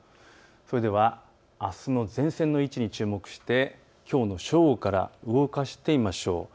それではあすの前線の位置に注目してきょうの正午から動かしてみましょう。